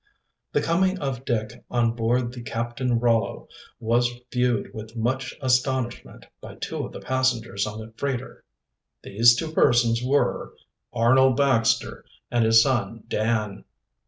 The coming of Dick on board of the Captain Rollow was viewed with much astonishment by two of the passengers on the freighter. These two persons were Arnold Baxter and his son Dan.